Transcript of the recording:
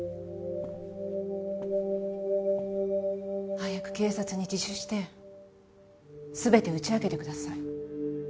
早く警察に自首して全て打ち明けてください。